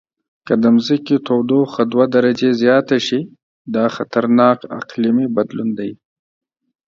که د ځمکې تودوخه دوه درجې زیاته شي، دا خطرناک اقلیمي بدلون دی.